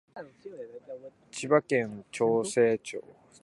千葉県長生村